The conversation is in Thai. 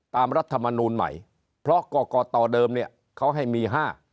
ตามรัฐมนูลใหม่เพราะกกต่อเดิมเขาให้มี๕